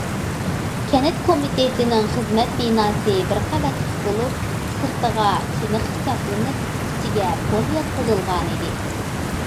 كەنت كومىتېتىنىڭ خىزمەت بىناسى بىر قەۋەتلىك بولۇپ، سىرتىغا چىنە خىش چاپلىنىپ، ئىچىگە پول ياتقۇزۇلغانىدى.